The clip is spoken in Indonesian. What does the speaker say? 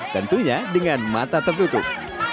tentunya dengan mata tertutup